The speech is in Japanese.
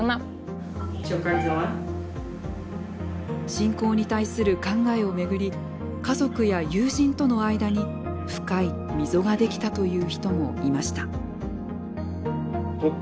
侵攻に対する考えを巡り家族や友人との間に深い溝ができたという人もいました。